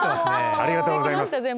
ありがとうございます。